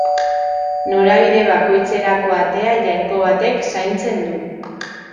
Norabide bakoitzerako atea jainko batek zaintzen du.